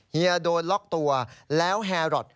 เฮียโดนล็อกตัวแล้วแฮรอท